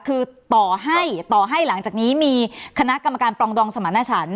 คือต่อให้ต่อให้หลังจากนี้มีคณะกรรมการปรองดองสมรรถฉัน